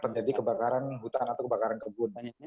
terjadi kebakaran hutan atau kebakaran kebun